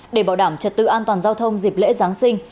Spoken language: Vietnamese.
để bảo đảm trật tự an toàn giao thông dịp lễ giáng sinh